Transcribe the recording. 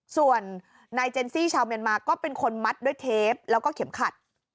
ส่วนนายเจนซี่ชาวเมียนมาก็เป็นคนมัดด้วยเทปแล้วก็เข็มขัด